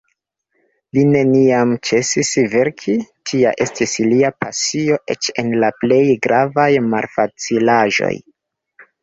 Li neniam ĉesis verki, tia estis lia pasio eĉ en la plej gravaj malfacilaĵoj.